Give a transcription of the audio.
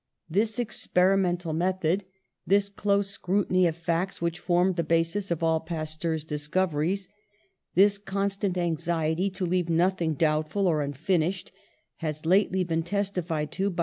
This experimental method, this close scrutiny of facts which formed the basis of all Pasteur's discoveries, this constant anxiety to leave noth ing doubtful or unfinished, has lately been tes tified to by M.